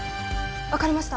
分かりました。